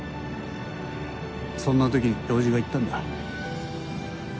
そんな時教授が言ったんだ。